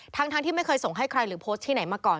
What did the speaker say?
ทั้งที่ไม่เคยส่งให้ใครหรือโพสต์ที่ไหนมาก่อน